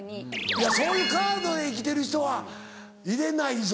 いやそういうカードで生きてる人は入れないぞ。